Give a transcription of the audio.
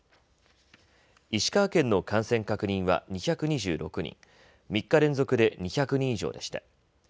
石川県の感染確認は２２６人、３日連続で２００人以上でした。